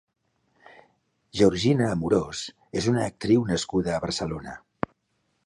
Georgina Amorós és una actriu nascuda a Barcelona.